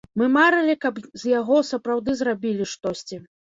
Мы марылі, каб з яго сапраўды зрабілі штосьці.